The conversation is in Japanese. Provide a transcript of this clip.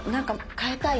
変えたい！